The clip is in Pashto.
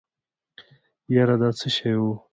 يره دا څه شی و.